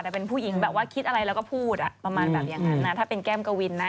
แต่เป็นผู้หญิงแบบว่าคิดอะไรแล้วก็พูดอ่ะประมาณแบบอย่างนั้นนะถ้าเป็นแก้มกวินนะ